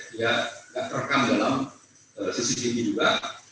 dia tidak terekam dalam cctv juga